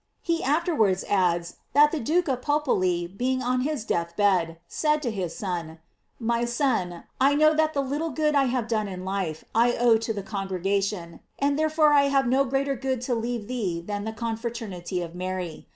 He afterwards adds that the Duke of Popoli being on his death bed, said to his son; "My son, know that the little good I have done in life I owe to the congregation; and therefore I have no greater good to leave thee than the confraternity of Mary.